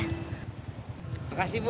terima kasih bu